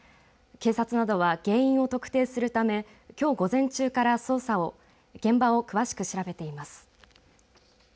警察などは原因を特定するためきょう午前中から現場を詳しく調べています。